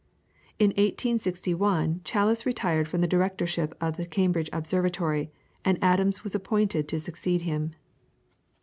In 1861 Challis retired from the Directorship of the Cambridge Observatory, and Adams was appointed to succeed him.